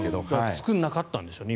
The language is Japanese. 作らなかったんでしょうね。